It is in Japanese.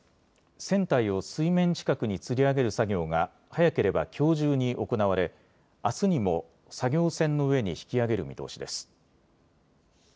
船体を水面近くにつり上げる作業が早ければきょう中に行われあすにも作業船の上に引き揚げる見通しです。